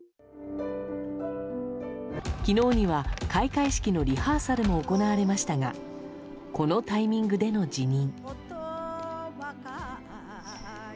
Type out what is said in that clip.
昨日には、開会式のリハーサルも行われましたがこのタイミングでの辞任。